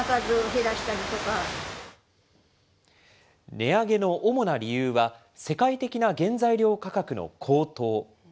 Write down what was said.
値上げの主な理由は、世界的な原材料価格の高騰。